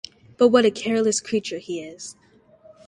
But what a careless creature he is!